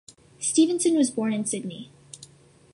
Stephenson was born in Sydney.